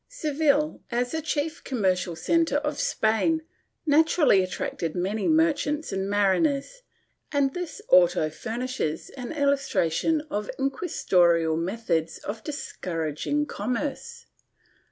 ^ Seville, as the chief commercial centre of Spain, naturally attracted many merchants and mariners, and this auto furnishes an illustration of inquisitorial methods in discouraging commerce.